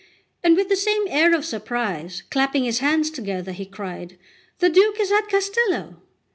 and with the same air of surprise, clapping his hands together, he cried: "The Duke is at Castello!"